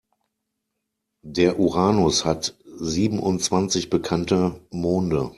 Der Uranus hat siebenundzwanzig bekannte Monde.